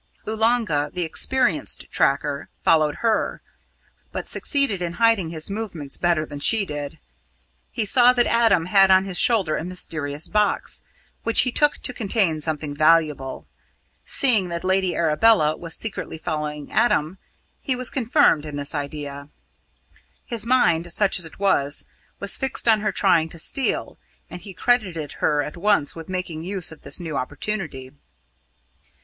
Oolanga, the experienced tracker, followed her, but succeeded in hiding his movements better than she did. He saw that Adam had on his shoulder a mysterious box, which he took to contain something valuable. Seeing that Lady Arabella was secretly following Adam, he was confirmed in this idea. His mind such as it was was fixed on her trying to steal, and he credited her at once with making use of this new opportunity.